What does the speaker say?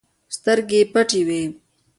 سترګې یې پټې وي.